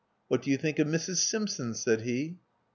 "What do you think of Mrs. Simpson?" said he.